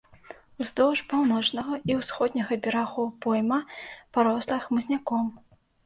Уздоўж паўночнага і ўсходняга берагоў пойма, парослая хмызняком.